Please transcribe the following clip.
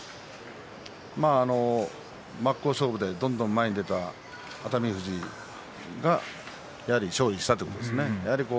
真っ向勝負でどんどん前に出た熱海富士がやはり勝利したということですね。